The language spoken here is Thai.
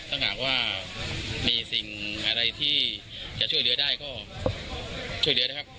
ถ้าหากว่ามีสิ่งอะไรที่จะช่วยเหลือได้ก็ช่วยเหลือนะครับ